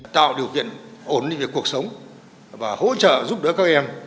tạo điều kiện ổn định về cuộc sống và hỗ trợ giúp đỡ các em